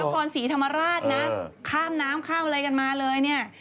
นครศรีธรรมราชนะข้ามน้ำข้ามอะไรกันมาเลยเนี่ย